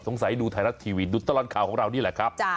ดูไทยรัฐทีวีดูตลอดข่าวของเรานี่แหละครับ